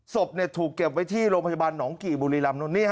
ศพถูกเก็บไว้ที่โรงพยาบาลหนองกี่บุรีรำ